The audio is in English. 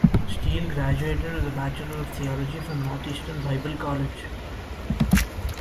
Steele graduated with a Bachelor of Theology from Northeastern Bible College.